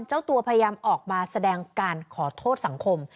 เจ้าตัวพยายามออกมาแสดงการขอโทษสังคม